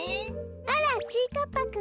あらちぃかっぱくん。